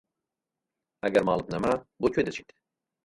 ئەگەر ماڵت نەما بۆ کوێ دەچیت؟